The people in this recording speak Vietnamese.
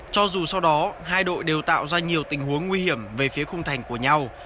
cho dù sau đó hai đội đều tạo ra nhiều tình huống nguy hiểm về phía khung thành của nhau